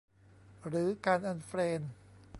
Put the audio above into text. หรือการอันเฟรนด์